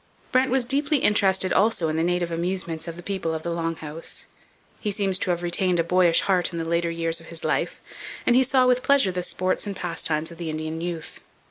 Brant was deeply interested also in the native amusements of the people of the Long House. He seems to have retained a boyish heart in the later years of his life, and he saw with pleasure the sports and pastimes of the Indian youth.